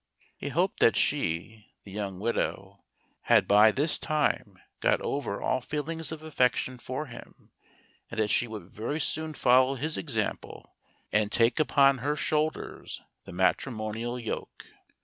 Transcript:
He hoped that she (the young widow) had by this time got over all feelings of affection for him, and that she would very soon follow his example and take upon her shoulders the matrimonial yoke.